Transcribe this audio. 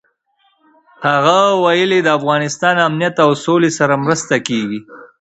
هغه ویلي، د افغانستان امنیت او سولې سره مرسته کېږي.